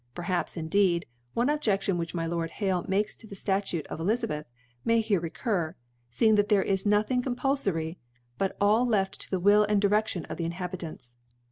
Perhaps, in deed, one Objcdlion which my Lord Hale makes to the Statute of £//z. may here re cur, feeing that there is nothing compulfol ry, but all left to the Will and Direftion of the Inhabitants.